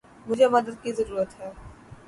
مجھے مدد کی ضرورت ہے۔